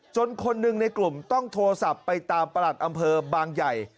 คนหนึ่งในกลุ่มต้องโทรศัพท์ไปตามประหลัดอำเภอบางใหญ่